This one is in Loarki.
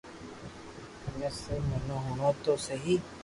ڪني سب منو ھڻوتو سھي